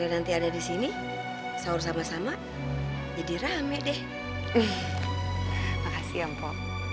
nanti ada di sini sahur sama sama jadi rame deh makasih mpok